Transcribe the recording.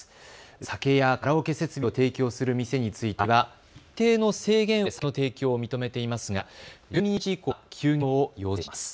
酒やカラオケ設備を提供する店については現在は、一定の制限を設けて酒の提供を認めていますが、１２日以降は休業を要請します。